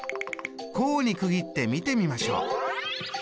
項に区切って見てみましょう！